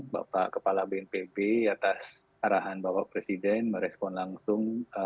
bapak kepala bnpb atas arahan bapak presiden merespon langsung